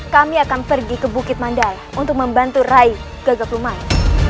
kami akan pergi ke bukit mandala untuk membantu rai gagap lumai